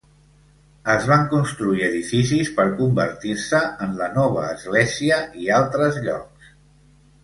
Es van construir edificis per convertir-se en la nova església i altres llocs.